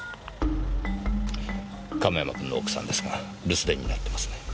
亀山君の奥さんですが留守電になってますね。